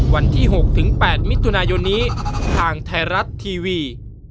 วันที่หกถึงแปดมิถุนายนนี้ทางไทยรัฐทีวี